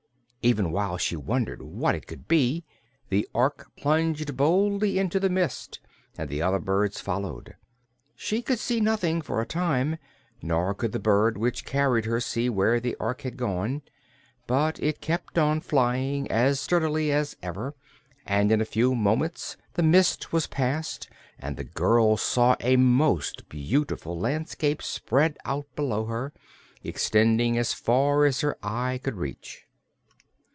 Even while she wondered what it could be, the Ork plunged boldly into the mist and the other birds followed. She could see nothing for a time, nor could the bird which carried her see where the Ork had gone, but it kept flying as sturdily as ever and in a few moments the mist was passed and the girl saw a most beautiful landscape spread out below her, extending as far as her eye could reach.